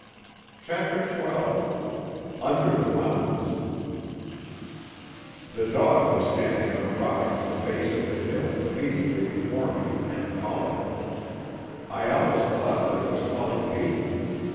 CHAPTER XII UNDER THE MOUNTAINS The dog was standing on a rock at the base of the hill immediately before me and calling. I almost thought that it was calling me.